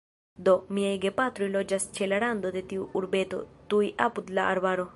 Do, miaj gepatroj loĝas ĉe la rando de tiu urbeto, tuj apud la arbaro.